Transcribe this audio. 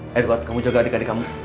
ayo buat kamu jaga adik adik kamu